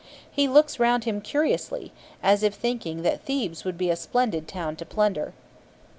He looks round him curiously, as if thinking that Thebes would be a splendid town to plunder.